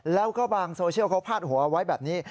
แล้วก็บางโซเชียลเขาพาดหัวเอาไว้แบบนี้